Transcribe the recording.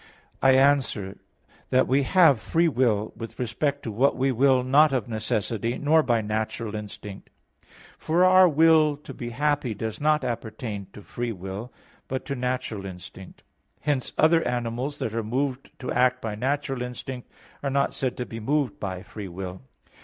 I answer that, We have free will with respect to what we will not of necessity, nor by natural instinct. For our will to be happy does not appertain to free will, but to natural instinct. Hence other animals, that are moved to act by natural instinct, are not said to be moved by free will.